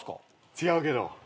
違うけど。